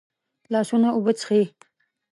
لاسونه اوبه څښي